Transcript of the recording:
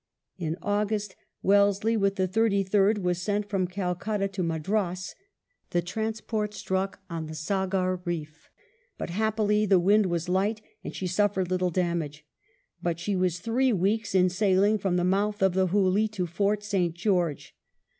In August Wellesley with the Thirty third was sent from Calcutta to Madras. The transport struck on the Saugor Eeef, but happily the wind was light and she suffered little damage ; but she was three weeks in sailing from the mouth of the Hooghly to Fort St George.